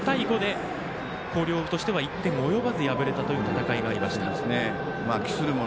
６対５で広陵としては１点及ばず、敗れたというものがありました。